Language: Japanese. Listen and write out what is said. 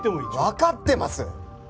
わかってます！